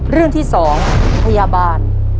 เรื่องที่๒พยาบาล